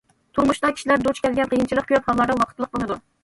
تۇرمۇشتا كىشىلەر دۇچ كەلگەن قىيىنچىلىق كۆپ ھاللاردا ۋاقىتلىق بولىدۇ.